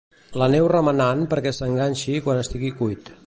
L'aneu remenant perquè s'enganxi quan estigui cuit.